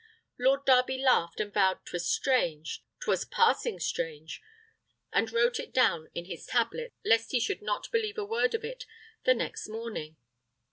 Lord Darby laughed, and vowed 'twas strange, 'twas passing strange, and wrote it down in his tablets, lest he should not believe a word of it the next morning.